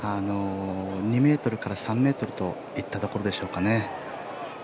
２ｍから３ｍといったところでしょうか。